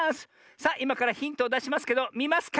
さあいまからヒントをだしますけどみますか？